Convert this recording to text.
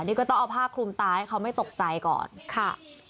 นี่ก็ต้องเอาผ้าคลุมตาให้เขาไม่ตกใจก่อนค่ะ